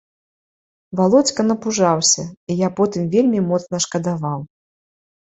Валодзька напужаўся, і я потым вельмі моцна шкадаваў.